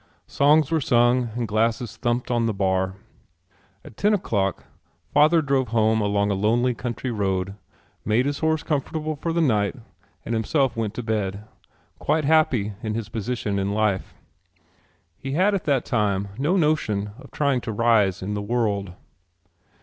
Songs were sung and glasses thumped on the bar. At ten o'clock father drove home along a lonely country road, made his horse comfortable for the night and himself went to bed, quite happy in his position in life. He had at that time no notion of trying to rise in the world.